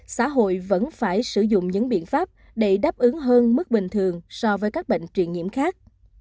xã hội vẫn phải sử dụng những biện pháp để đáp ứng hơn mức bình thường so với các bệnh truyền nhiễm khác